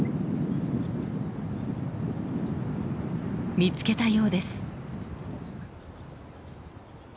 見つけたようです！